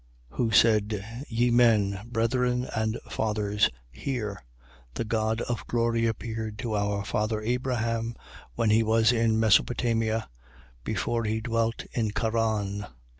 7:2. Who said: Ye men, brethren and fathers, hear. The God of glory appeared to our father Abraham, when he was in Mesopotamia, before he dwelt in Charan.